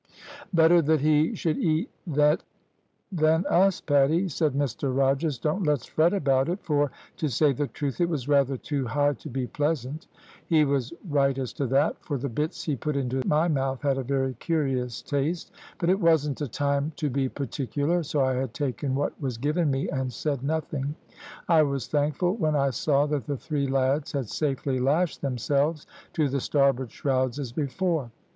"`Better that he should eat that than us, Paddy,' said Mr Rogers; `don't let's fret about it, for, to say the truth, it was rather too high to be pleasant.' He was right as to that; for the bits he put into my mouth had a very curious taste; but it wasn't a time to be particular, so I had taken what was given me, and said nothing. I was thankful when I saw that the three lads had safely lashed themselves to the starboard shrouds as before.